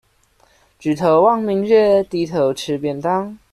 舉頭望明月，低頭吃便當